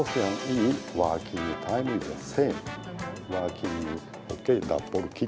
kaisar akihito saat berkunjung ke jakarta